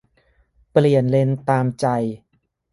- เปลี่ยนเลนตามใจ